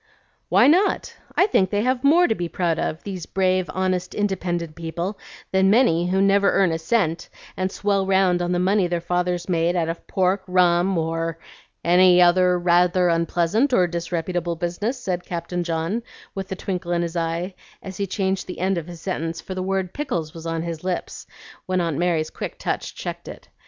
"Why not? I think they have more to be proud of, these brave, honest, independent people, than many who never earn a cent and swell round on the money their fathers made out of pork, rum, or any other rather unpleasant or disreputable business," said Captain John, with the twinkle in his eye, as he changed the end of his sentence, for the word "pickles" was on his lips when Aunt Mary's quick touch checked it.